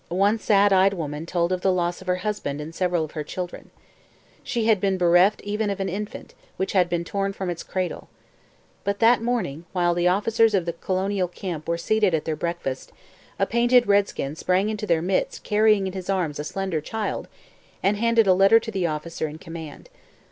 One sad eyed woman told of the loss of her husband and several of her children. She had been bereft even of an infant, which had been torn from its cradle. But that morning, while the officers of the colonial camp were seated at their breakfast, a painted redskin sprang into their midst carrying in his arms a slender child and handed a letter to the officer in command.